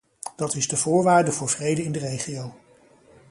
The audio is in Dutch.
Dat is de voorwaarde voor vrede in de regio.